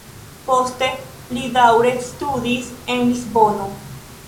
Poste li daŭre studis en Lisbono.